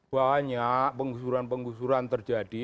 banyak penggusuran penggusuran terjadi